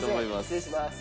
失礼します。